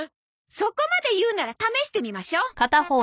そこまで言うなら試してみましょ。